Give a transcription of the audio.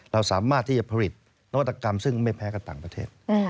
เราสามารถที่จะผลิตนวัตกรรมซึ่งไม่แพ้กับต่างประเทศ